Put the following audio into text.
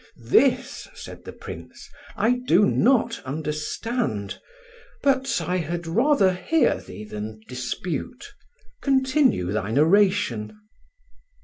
"This," said the Prince, "I do not understand; but I had rather hear thee than dispute. Continue thy narration."